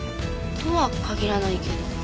とは限らないけど。